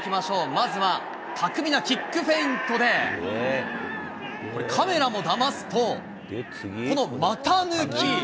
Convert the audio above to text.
まずは巧みなキックフェイントで、カメラもだますと、この股抜き。